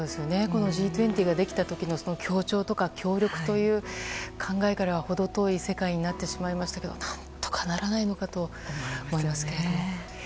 このＧ２０ができた時の協調とか協力という考えから程遠い世界になってしまいましたけど何とかならないのかと思いますけど。